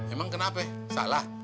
emang kenapa salah